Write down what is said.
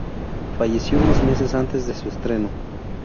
Falleció unos meses antes de su estreno.